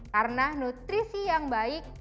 karena nutrisi yang baik